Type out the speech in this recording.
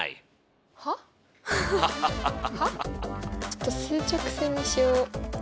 ちょっと数直線にしよ。